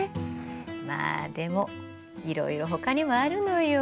まあでもいろいろほかにもあるのよ。